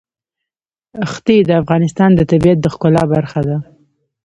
ښتې د افغانستان د طبیعت د ښکلا برخه ده.